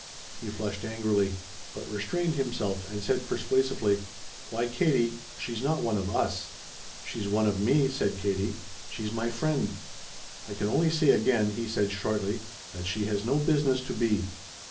He flushed angrily. But restrained himself and said persuasively: "Why, Katie, she's not one of us." "She's one of me," said Katie. "She's my friend." "I can only say again," he said shortly, "that she has no business to be."